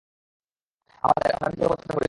আমরা নিজেদের উপর অত্যাচার করেছি।